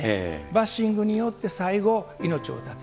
バッシングによって最後、命を絶つ。